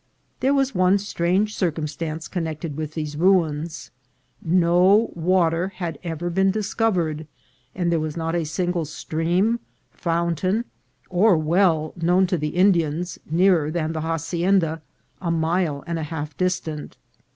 There was one strange circumstance connected with these ruins. No water had ever been discovered ; and there was not a single stream, fountain, or well, known to the Indians, nearer than the hacienda, a mile and a half distant.